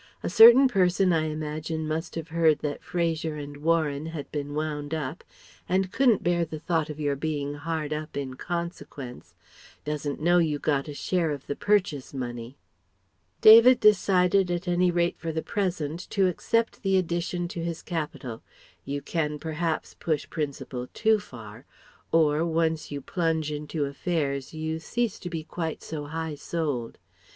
A certain person I imagine must have heard that Fraser and Warren had been wound up and couldn't bear the thought of your being hard up in consequence ... doesn't know you got a share of the purchase money..." David decided at any rate for the present to accept the addition to his capital you can perhaps push principle too far; or, once you plunge into affairs, you cease to be quite so high souled.